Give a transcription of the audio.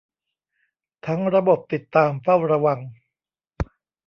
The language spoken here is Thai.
ทั้งระบบ ติดตาม เฝ้าระวัง